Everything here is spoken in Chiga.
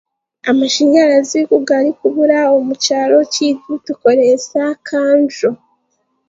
Amashanyarazi kugarikubura omu kyaro kyaitu tukoreesa kando.